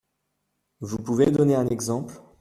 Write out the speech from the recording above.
Vous pouvez me donner un exemple ?